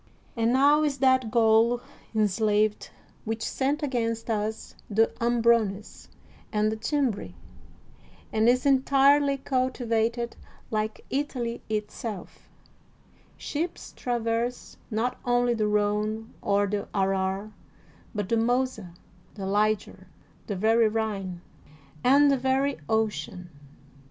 And now is that Gaul enslaved which sent against us the Ambrones and the Cimbri, and is 207 THE WORLD'S FAMOUS ORATIONS entirely cultivated like Italy itself. Ships trav erse not only the Rhone or the Arar, but the Mosa^ the Liger, the very Rhine, and the very ocean.